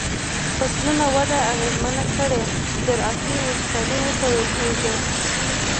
فصلونو وده اغیزمنه کړي زراعتی وچکالی ورته ویل کیږي.